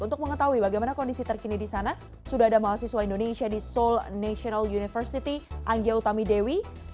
untuk mengetahui bagaimana kondisi terkini di sana sudah ada mahasiswa indonesia di seoul national university anggia utami dewi